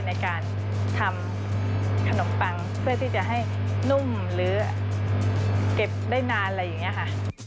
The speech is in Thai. ในการทำขนมปังเพื่อที่จะให้นุ่มหรือเก็บได้นานอะไรอย่างนี้ค่ะ